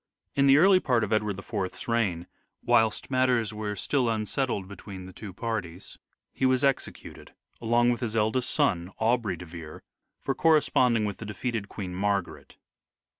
In the early part of Edward IV's reign, whilst matters were still unsettled between the two parties, he was executed along with his eldest son, Aubrey de Vere, for corresponding with the defeated Queen Margaret.